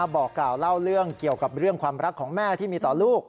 บอกกล่าวเล่าเรื่องเกี่ยวกับเรื่องความรักของแม่ที่มีต่อลูก